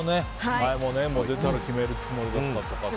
前も出たら決めるつもりだったとか。